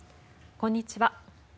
こんにちは。